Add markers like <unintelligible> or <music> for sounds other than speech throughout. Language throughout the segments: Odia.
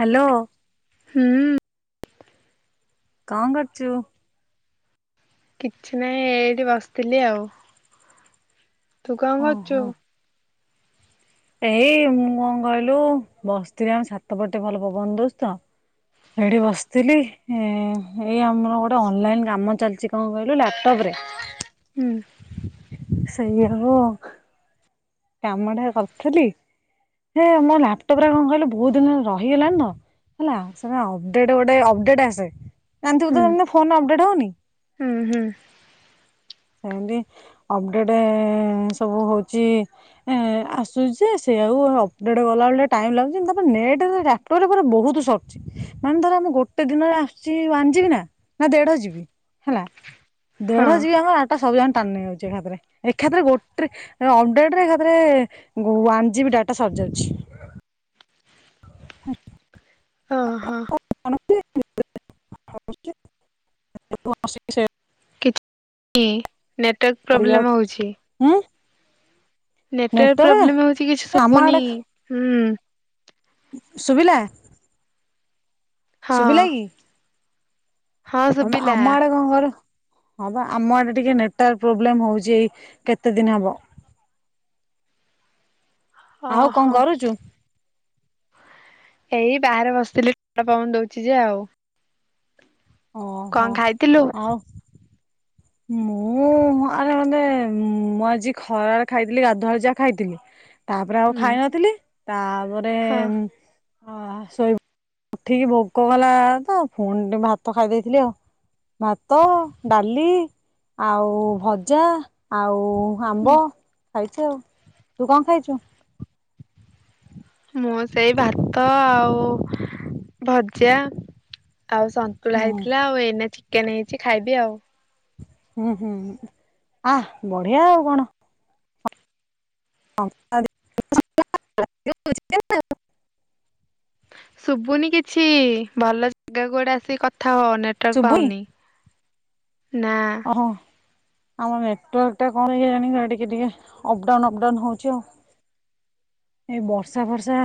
ହାଲୋ। ହୁଁ। ଙ୍କ କରଚୁ। କିଛି ନାହିଁ ଏଠି ବସିଥିଲି ଆଉ। ତୁ କଣ କରଛୁ? ଓହୋ। ଏଇ ମୁଁ କଣ କହିଲୁ ବସିଥିଲି ଆମ ଛାତ ପଟେ ଭଲ ପବନ ଦଉଚି ତ ସେଇଠି ବସିଥିଲି ଏ ଏଇ ଆମର ଗୋଟେ ଅନଲାଇନ କାମ ଚାଲିଛି କଣ କହିଲୁ ଲାପଟପ ରେ। ହୁଁ ସେଇଆଉ କାମଟା କରିଥିଲି ହେ ମୋ ଲାପଟପ ରେ କଣ କହିଲୁ ବହୁତ ଦିନ ହେଲା ରହିଗଲାଣି ତ ହେଲା ସେଟା ଅପଡେଟ ଗୋଟେ ଅପଡେଟ ଆସେ। ଜାଣିଥିବୁ ହୁଁ ତ ମାନେ ଫୋନ ଅପ୍ ଡେଟ୍ ହଉନି। ହୁଁ ହୁଁ ସେମତି ଅପଡେଟ ସବୁ ହଉଛି। ଏ ଆସୁଛି ସେଇଆଉ ଅପଡେଟ କଲା ବଳେ ଟାଇମ ଲାଗୁଛି ତାପରେ ନେଟ ଲାପଟପ ରେ ବହୁତ ସରୁଛି ମାନେ ଧର ଆମେ ଗୋଟେ ଦିନରେ ଆସୁଛି ୱାନ ଜିବି ନା ନା ଦେଢ ଜିବି ହେଲା। ହଁ ଦେଢ ଯିବି। ସବୁ ଯାକ ଟାଣି ନେଇଯାଉଛି ଏକା ଥରେ, ଏକା ଥରେ ଗୋଟେ ରେ । ଟ ଏକାଥରେ ୱାନ୍ ଜିବି ଡାଟା ସରିଯାଉଛି। ଆ୍ ଓହୋ କିଛି <unintelligible> <unintelligible> ନେଟୱାର୍କ ପ୍ରୋବ୍ଲେମ୍ ହଉଛି। ନେଟୱାର୍କ ପ୍ରୋବ୍ଲେମ ହଉଛି କିଛି ଆମ ଆଡ଼େ ଶୁଭୁନି ହୁଁ। ଶୁଭିଲା। ହଁ ସୁଭିଲା କି? ହଁ ଆମ ଶୁଭିଲା। ଆମ ଆଡେ କଣ୍ କର୍। ହଁ ବା ଆମ ଆଡେ ଟିକେ ନେଟୱାର୍କ ପ୍ରୋବ୍ଲେମ ହଉଛି ଏଇ କେତେ ଦିନ ହବ। ଆଉ କଣ ଓହୋ କରୁଛୁ? ଏଇ ବାହାରେ ବସିଥିଲି ଡ ପବନ ଦଉଛି ଯେ ଆଉ। ଓହୋ କଣ ଖାଇଥିଲୁ? ଆଉ ମୁଁ ଆରେ ମାନେ ମୁଁ ଆଜି ଖରାରେ ଖାଇଥିଲି ଗାଧୁଆଳ ଯାହା ଖାଇଥିଲି। ତାପରେ ଆଉ ହୁଁ ଖାଇ ନଥିଲି ତାପରେ। ହଁ ହ ଶୋଇ ଉଠିକି ଭୋକ କଲା ତ ପୁଣି ଟିକେ ଭାତ ଖାଇ ଦେଇଥିଲି ଆଉ ଭାତ ଡାଲି। ଆଉ ଭଜା ଆଉ। ଆମ୍ବ। ଖାଇଛୁ ଆଉ ତୁ କଣ ଖାଇଛୁ? ମୁଁ ସେଇ ଭାତ ଆଉ ଭଜା। ଆଉ ସନ୍ତୁଳା ହୁଁ ହେଇଥିଲା ଆଉ ଏଇନା। ଚିକେନ ହେଇଛି ଖାଇବି ଆଉ। ହୁଁ ହୁଁ ଆ ବଢିଆ ଆଉ କଣ। <unintelligible> ଶୁଭୁନି କିଛି ଭଲ ଜାଗା କୁ ଗୋଟେ ଆସିକି କ ଥା ହୁଅ ନେଟୱାର୍କ ଶୁଭୁନି ପାଉନି। ନା ଆମର ନେଟାର୍ ଟା କଣ ହେଇାଣି ଟିକେ ଟିକେ ଅପଡାଉନ ଅପଡାଉ ହଉଛି ଆଉ ଏଇ ବର୍ଷା ଫର୍ଷା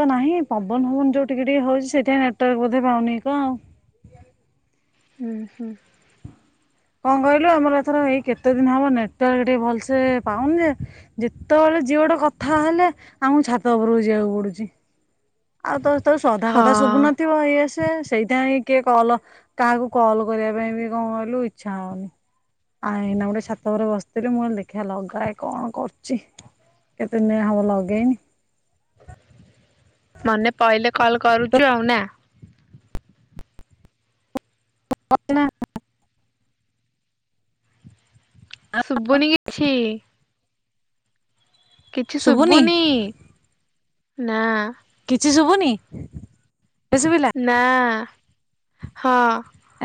ତ ନାହିଁ ପବନ ପବନ ଯୋଉ ଟିକେ ଟିକେ ହଉଛି ସେଠା ନେଟାର୍ ବୋଧେ ପାଉନି କଣ ଆଉ ହୁଁ ହୁଁ କଣ କହିଲୁ ଆମର ଏଥର ଏଇ କେତେ ଦିନ ହବ ନେଟାର୍କ ଟିକେ ଭଲସେ ପାଉନି ଯେ ଯେତେବେଳେ ଝିଅ ଗଟେ କଥା ହେଲେ ଆମକୁ ଛାତ ଉପରକୁ ଯିବାକୁ ପଡୁଛି, ଆଉ ତ ତୋ ସଧା କଥା ହଁ ଶୁଭୁନଥିବ ଇଏ ସେ ସେଇଟା ହିଁ କିଏ କଲ କାହାକୁ କଲ କରିବା ପାଇଁ ବି କଣ କହିଲୁ ଇଚ୍ଛା ହଉନି। ଆନା ଗୋଟେ ଛାତ ଉପରେ ବସ ସେଥିରେ ମୁଁ ଲ ଦେଖିବା ଲଗାଏ କଣ କରୁଛି କେତେ ଦିନଆ ହବ ଲଗେଇନି ମନେ ପହିଲେ କଲ୍ କରୁଛୁ ଆଉ ନା <inaudible> ଶୁଭୁନି କିଛି। କିଛି ଶୁଭୁନି ନାଆ କିଛି ଶୁଭୁନି। <inaudible> ନା। ହଁ।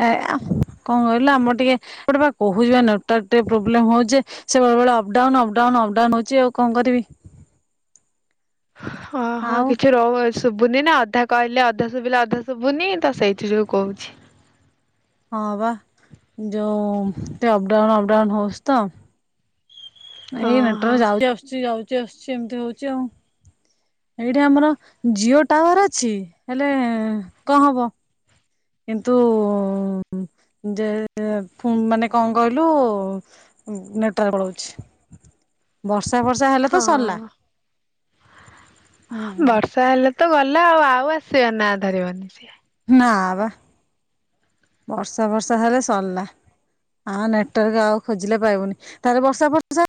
ଏ କଣ କହିଲ ଆମର ଟିକେ ଗୋଟେ କହୁଛିପା ନେଟୱର୍କ ଟିକେ ପ୍ରୋବ୍ଲେମ ହଉଛେ ସେ ବେଳେ ବେଳେ ଅପଡାଉନ ଅପଡାଉନ୍ ଅପଡାଉନ୍ ହଉଛି ଆଉ କଣ କରିବି। ଅହଁ ଆଉ କିଛି ରହୁ ଶୁଭୁନି ନା ଅଧା କହିଲେ ଅଧା ଶୁଭିଲେ ଅଧା ଶୁଭୁନି ତ ସେଇଥିଯୋଗୁଁ କହୁଛି। ହଁ ବା ଯଉ ସେ ଅପଡାଉନ ଡାଉନ୍ ହଉଛି ତ ନାଇଁ ହଁ ନଟର ହଁ ଯାଉଛି ଆସୁଛି ଯାଉଛି ଛି ଏମିତି ହଉଛି ଆଉ ଏଇଠି ଆମର ଜିଓ ଟାୱାର ଅଛି ହେଲେ କଣ ହବ? କିନ୍ତୁ ଯେ ମାନେ କଣ କହିଲୁ ନେଟୱାର୍କ ପଳଉଛି ବର୍ଷା ଫର୍ଷା ହେଲେ ତ ହଁ ସରିଲା ହୁଁ <inaudible> ହୁଁ ବର୍ଷା ହେଲେ ତ ଗଲା ଆଉ ଆଉ ଆସିବା ନା ଧରିବନି ନା ବା ବର୍ଷା ବର୍ଷା ହେଲେ ସରିଲା ଆ ନେଟୱାର୍କ ଆଉ ଖୋଜିଲେ ପାଇବୁନି ତାହେଲେ ବର୍ଷା ବର୍ଷା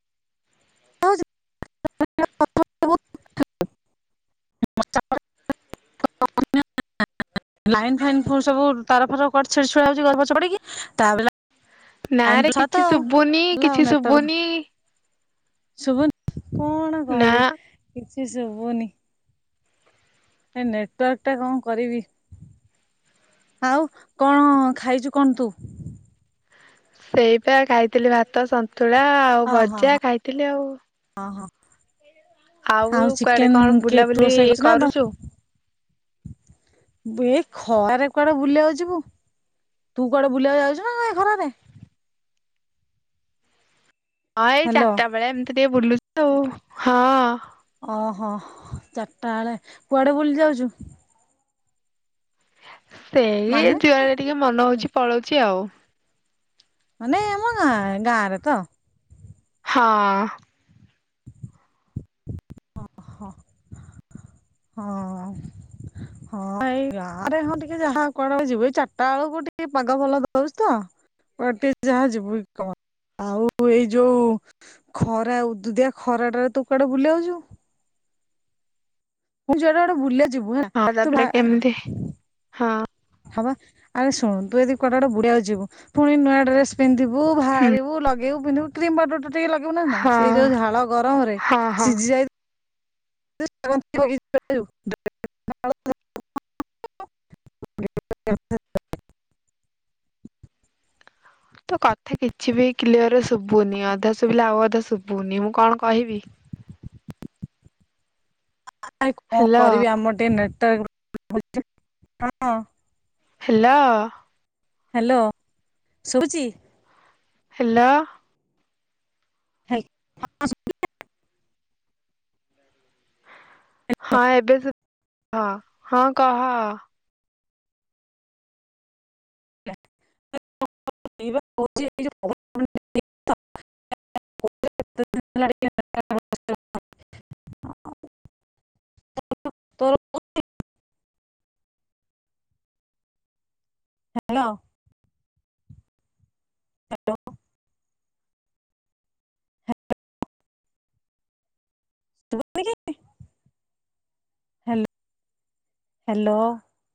ଲାଇନ୍ ଫାଇନ୍ ସବୁ ତାର ଫାର କୁଆଡେ଼ ଛିଡି ଛୁଡା ଯାଉଛି ଗଛ ପଡିକି ତା ନା ରେ କିଛି ଶୁଭୁନି କିଛି ଶୁଭୁନି ଶୁଭ କଣ ନା। କହିବି କି ସୁବୁନି ଏ ନେଟୱାର୍କ ଟା କଣ କରିବି ଆଉ କଣ ଖାଇଛୁ କଣ ତୁ? ସେଇପା ଖାଇଥିଲି ଭାତ ଭାତ ସନ୍ତୁଳା ଆଉ ଓହୋ ଭଜା ହଁ ଖାଇଥିଲି ଆଉ ହଁ ହଁ ଆଉ କୁଆଡେ ଚିକେନ କଣ କେ ତୁ ବୁଲାବୁଲି ରୋଷେଇ ନା କରୁଛୁ? ଏ ଖରାରେ କୁଆଡେ ବୁଲିବାକୁ ଯିବୁ ତୁ କୁଆଡେ ବୁଲିବାକୁ ଯାଉଛୁ ନା ନାଇଁ ଖରାରେ ହଁ ଏଇ ହ୍ୟାଲୋ ଚାରିଟା ବେଳେ ଏମିତି ଟିକେ ବୁଲୁଚୁ ଆଉ ହଁ। ଓହୋ ଚାରିଟା ବେଳେ କୁଆଡେ ବୁଲି ଯାଉଛୁ? ସେଇ ମାନେ ଯୁଆଡେ ଟିକେ ମନ ହଉଛି ପଳଉଛି ଆଉ। ମାନେ ଆମ ଗାଁ ଗାଁରେ ତ ହଁ ଓହୋ ହଁ ହଁ ଏଇ ଗାଁରେ ହଁ ଟିକେ ଯାହା କୁଆଡେ ଗୋଟେ ଯିବୁ ଏଇ ଚାରିଟା ବେଳକୁ ଟିକେ ପାଗ ଭଲ ଦଉଛି ତ କୁଆଡେ ଟିକେ ଯାହା ଯିବୁ କଣ ଆଉ ଏଇ ଯୋଉ ଖରା ଉଦୁଉଦିଆ ଖରାଟାରେ ତୁ କୁଆଡେ ବୁଲିଆକୁ ଯିବୁ । ମୁଁ ଯୁଆଡ଼େ ଗୋଟେ ବୁଲିଆକୁ ଯିବୁ ହେଲା ହଁ ତୁ ତାପରେ ବା କେମିତି ହଁ ହବା ଆରେ ଶୁଣୁ ତୁ ଯଦି କୁଆଡ଼େ ଗୋଟେ ବୁଡିଆକୁ ଯିବୁ ପୁଣି ନୂଆ ଡ୍ରେସ୍ ପିନ୍ଧିବୁ ବୁ ହୁଁ ବାହାରିବୁ ଲଗେଇବୁ ଲଗେଇବୁ ପିନ୍ଧିବୁ କ୍ରିମ ପାଉଡର୍ ତ ତ ଟିକେ ଲଗେଇବୁ ନା ନାହିଁ ହଁ ସେଇ ଯୋଉ ଝାଳ ଗରମ ରେ ହଁ ହଁ। ସିଝି ଯାଇ <unintelligible> <unintelligible> ତୋ କଥା କିଛି କିଛି ବି କ୍ଲିୟର ଶୁଭୁନି ଅଧା ଶୁଭିଲେ ଆଉ ଅଧା ଶୁଭୁନି ମୁଁ କଣ କହିବି । ନାଇଁ କଣ ହେଲୋ କରିବି ଆମର ଟିକେ ନେଟୱାର୍କ <unintelligible> ହେଲା ହ୍ୟାଲୋ ଶୁଭୁଛିି ହାଲୋ <unintelligible> ହଁ ଏବେ ଶୁଭୁ ହଁ ହଁ କହ। <unintelligible> <unintelligible> ହ୍ୟାଲୋ ହ୍ୟାଲୋ ଶୁଭୁନି କି ହ୍ୟାଲୋ